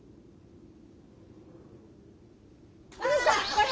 これ！